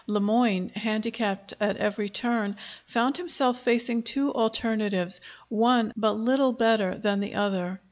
Le Moyne, handicapped at every turn, found himself facing two alternatives, one but little better than the other.